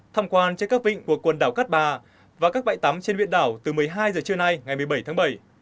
tham quan trên các vịnh của quần đảo cát bà và các bãi tắm trên huyện đảo từ một mươi hai h trưa nay ngày một mươi bảy tháng bảy